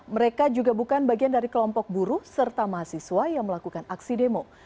mereka juga bukan bagian dari kelompok buruh serta mahasiswa yang melakukan aksi demo